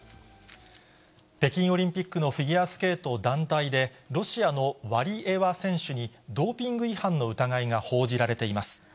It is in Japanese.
北京オリンピックのフィギュアスケート団体で、ロシアのワリエワ選手にドーピング違反の疑いが報じられています。